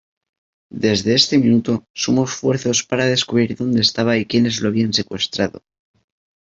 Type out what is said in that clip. Desde ese minuto sumó esfuerzos para descubrir donde estaba y quienes lo habían secuestrado.